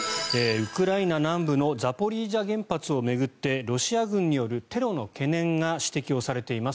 ウクライナ南部のザポリージャ原発を巡ってロシア軍によるテロの懸念が指摘をされています。